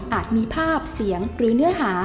มีภาพเสียงหรือเนื้อหา